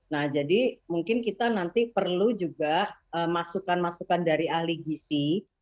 nah jadi mungkin kita nanti perlu juga masukan masukan dari ahli gisi